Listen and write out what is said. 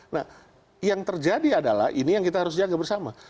nah yang terjadi adalah ini yang kita harus jaga bersama